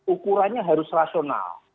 ukurannya harus rasional